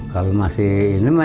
kalau masih ini